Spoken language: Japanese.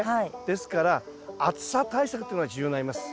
ですから暑さ対策っていうのが重要になります。